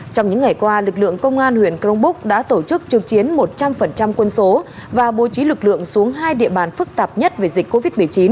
trong những ngày qua lực lượng công an huyện crong búc đã tổ chức trực chiến một trăm linh quân số và bố trí lực lượng xuống hai địa bàn phức tạp nhất về dịch covid một mươi chín